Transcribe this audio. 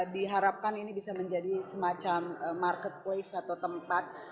diharapkan ini bisa menjadi semacam marketplace atau tempat